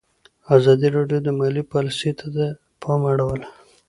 ازادي راډیو د مالي پالیسي ته پام اړولی.